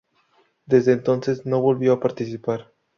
Desde entonces no volvió a participar.